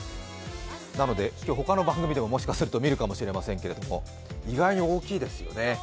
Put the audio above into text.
なので今日ほかの番組でももしかすると見るかもしれませんけれども、意外に大きいですよね。